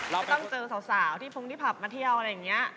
ไม่ต้องเจอสาวที่พงที่ผับมาเที่ยวอะไรอย่างนี้